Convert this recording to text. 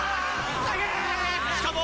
しかも。